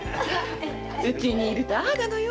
家にいるとああなのよ。